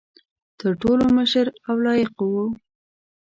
تر ټولو مشر او لایق وو.